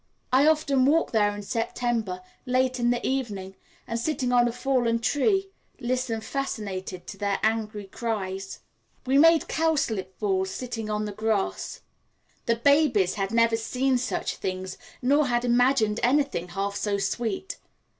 I often walk there in September, late in the evening, and sitting on a fallen tree listen fascinated to their angry cries. We made cowslip balls sitting on the grass. The babies had never seen such things nor had imagined anything half so sweet.